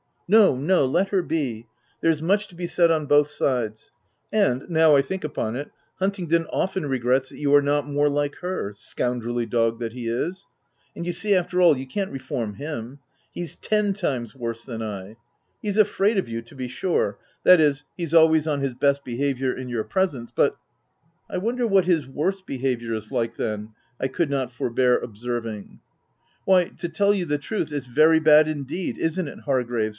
" No, no, let her be ; there's much to be said on both sides —and, now I think upon it, Hun tingdon often regrets that you are not more like her — scoundrelly dog that he is — and you see, after all, you can't reform him : he's ten times worse than I — He's afraid of you, to be sure — that is, he's always on his best behaviour in your presence — but —"" I wonder what his worst behaviour is like, then ?" I could not forbear observing. " Why, to tell you the truth, it's very bad indeed — isn't it, Hargrave